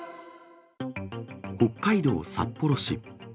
北海道札幌市。